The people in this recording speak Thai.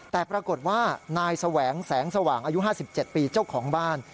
แต่ปรากฏว่านายแสวงแสงสว่างอายุ๕๗ปีเจ้าของบ้าน